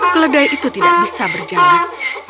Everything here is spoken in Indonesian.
keledai itu tidak bisa berjalan